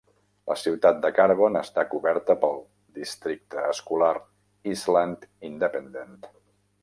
La ciutat de Carbon està coberta pel districte escolar Eastland Independent.